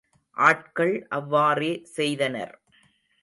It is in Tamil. ஆட்கள் அவ்வாறே செய்தனர்.